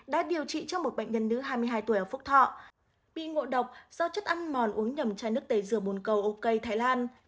đã điều trị cho một bệnh nhân nữ hai mươi hai tuổi ở phúc thọ bị ngộ độc do chất ăn mòn uống nhầm chai nước tẩy rửa bùn cầu oki thái lan